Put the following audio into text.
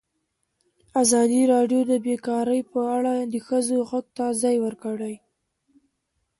ازادي راډیو د بیکاري په اړه د ښځو غږ ته ځای ورکړی.